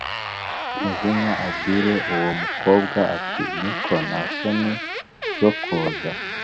umujinya abwira uwo mukobwa ati”niko nta sonizo kuza